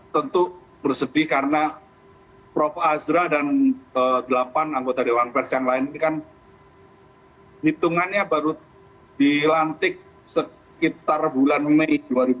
tentu bersedih karena prof azra dan delapan anggota dewan pers yang lain ini kan hitungannya baru dilantik sekitar bulan mei dua ribu dua puluh